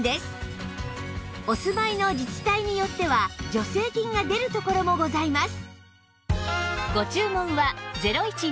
お住まいの自治体によっては助成金が出るところもございます